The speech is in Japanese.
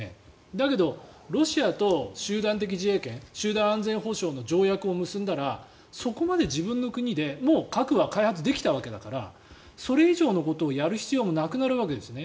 だけど、ロシアと集団的自衛権集団安全保障の条約を結んだらそこまで自分の国でもう核は開発できたわけだからそれ以上のことをやる必要もなくなるわけですよね。